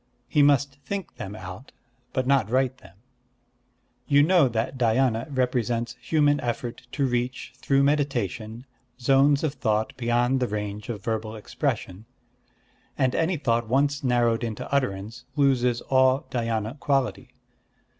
He must think them out, but not write them. You know that Dhyâna represents human effort to reach, through meditation, zones of thought beyond the range of verbal expression; and any thought once narrowed into utterance loses all Dhyâna quality....